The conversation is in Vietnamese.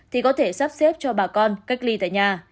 thì có thể sắp xếp cho bà con cách ly tại nhà